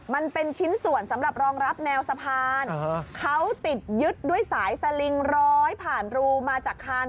มันเป็นชิ้นส่วนสำหรับรองรับแนวสะพานเขาติดยึดด้วยสายสลิงร้อยผ่านรูมาจากคาน